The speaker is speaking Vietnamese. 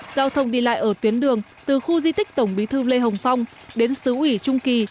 giao thông đi lại ở tuyến đường từ khu di tích tổng bí thư lê hồng phong đến sứ ủy trung kỳ